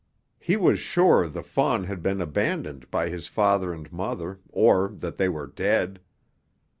He was sure the fawn had been abandoned by his father and mother or that they were dead.